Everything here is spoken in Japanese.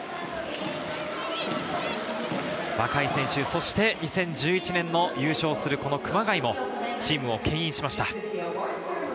若い選手、そして２０１１年の優勝を知る熊谷もチームをけん引しました。